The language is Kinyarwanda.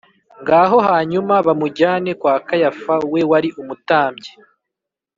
ngaho Hanyuma bamujyane kwa Kayafa we wari umutambyi